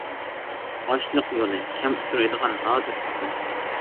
«ئاچلىق يولى» كەم ئۇچرايدىغان نادىر ئەسەر.